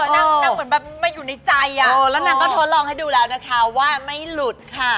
นางเหมือนแบบมาอยู่ในใจแล้วนางก็ทดลองให้ดูแล้วนะคะว่าไม่หลุดค่ะ